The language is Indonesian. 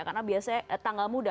karena biasanya tanggal muda